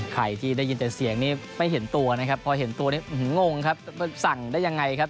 ใครที่ได้ยินแต่เสียงนี้ไม่เห็นตัวนะครับพอเห็นตัวนี้งงครับว่าสั่งได้ยังไงครับ